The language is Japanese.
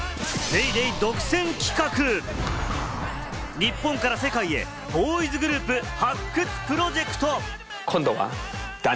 『ＤａｙＤａｙ．』独占企画、日本から世界へボーイズグループ発掘プロジェクト。